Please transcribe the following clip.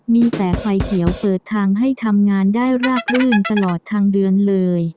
มีแต่ไฟเขียวเปิดทางให้ทำงานได้ราบรื่นตลอดทางเดือนเลย